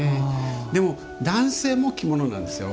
でも、男性も着物なんですよ。